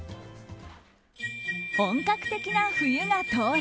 本格的な冬が到来。